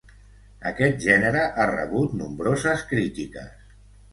Aquest gènere ha rebut nombroses crítiques.